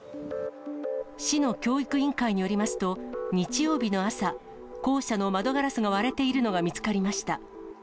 市の教育委員会によりますと、日曜日の朝、校舎の窓ガラスが割れているのが見つかりました。